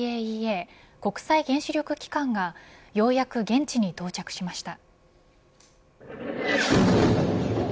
ＩＡＥＡ国際原子力機関がようやく現地に到着しました。